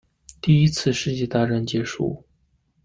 第一次世界大战结束